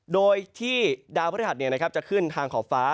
โดยที่ดาวพระธุรกิจจะขึ้นทางขอบฟ้า